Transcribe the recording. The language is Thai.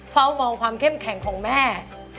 เฝ้ามองความเข้มแข็งของแม่